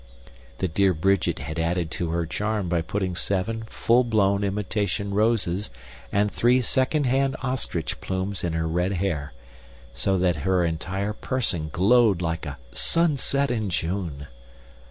The dear Bridget had added to her charms by putting seven full blown imitation roses and three second hand ostrich plumes in her red hair; so that her entire person glowed like a sunset in June.